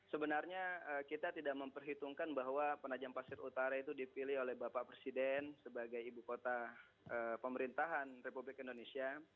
sebenarnya kita tidak memperhitungkan bahwa penajam pasir utara itu dipilih oleh bapak presiden sebagai ibu kota pemerintahan republik indonesia